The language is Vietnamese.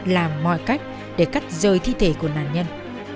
làm mọi cách để cắt rơi thi thể của nạn nhân